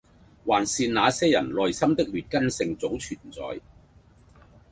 還是那些人內心的劣根性早存在